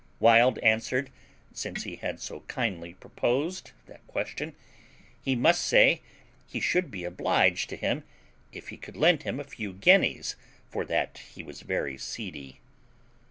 Wild answered, since he had so kindly proposed that question, he must say he should be obliged to him if he could lend him a few guineas; for that he was very seedy.